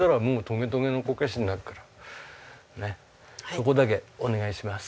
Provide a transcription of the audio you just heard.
そこだけお願いします。